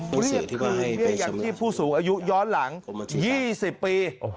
ตำบลบ้านหลุมเรียกขึ้นเรียกอย่างที่ผู้สูงอายุย้อนหลัง๒๐ปี